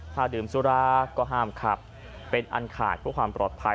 ถ้าดื่มสุราก็ห้ามขับเป็นอันขาดเพื่อความปลอดภัย